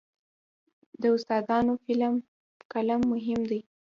د استادانو قلم مهم دی.